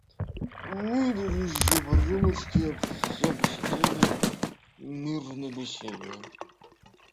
Выпив еще по рюмочке, все посидели, мирно беседуя.